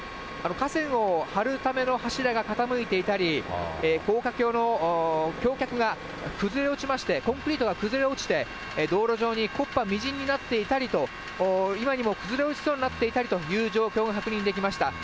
架線を張るための柱が傾いていたり、高架橋の橋脚が崩れ落ちまして、コンクリートが崩れ落ちて、道路上に木っ端みじんになっていたりと、今にも崩れ落ちそうになっていたりという状況が確認できました。